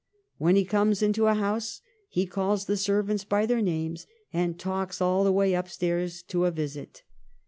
'When he comes into a house he calls the servants by their names, and talks all the way upstairs to a visit.'